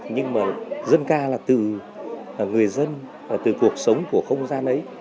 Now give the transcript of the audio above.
nhưng mà dân ca là từ người dân từ cuộc sống của không gian ấy